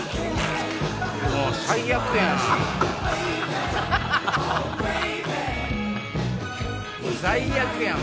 もう最悪やん！